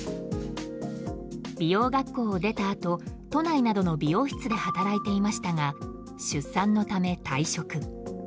美容学校を出たあと、都内などの美容室で働いていましたが出産のため退職。